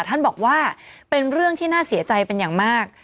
ท่านบอกว่าเป็นเรื่องที่น่าเสียใจเป็นอย่างมาก